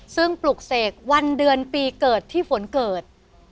ซึ่งปลุกเสกวันเดือนปีเกิดที่ฝนเกิด